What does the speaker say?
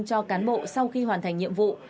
cho cán bộ sau khi hoàn thành nhiệm vụ